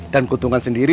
dan keuntungan sendiri